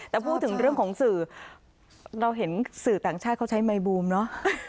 แต่พูดถึงเรื่องของสื่อเราเห็นสื่อต่างชาติเขาใช้ไมบูมเนอะ